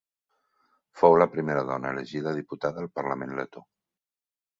Fou la primera dona elegida diputada al parlament letó.